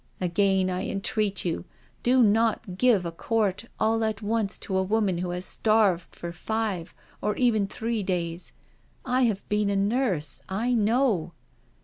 " Again, I entreat you, do not give a quart all at once to a woman who has starved for five, or even three days — I have been a nurse— I know."